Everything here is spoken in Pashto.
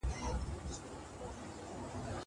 لوی اختر به اختری وو